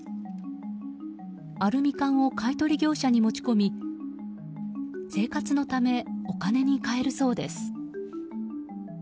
アルミ缶を買い取り業者に持ち込み生活のためお金に換えるそうです。